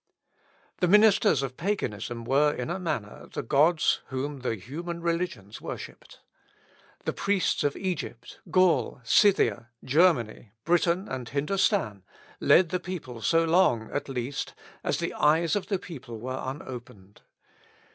The ministers of Paganism were in a manner the gods whom those human religions worshipped. The priests of Egypt, Gaul, Scythia, Germany, Britain, and Hindostan, led the people so long, at least, as the eyes of the people were unopened.